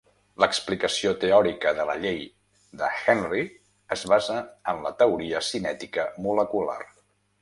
L'explicació teòrica de la llei de Henry es basa en la teoria cinètica molecular.